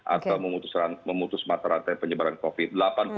atau memutus materan penyebaran covid sembilan belas